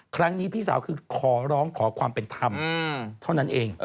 ครั้งนี้พี่สาวขอร้องขอความเป็นทำเท่านั้นเอง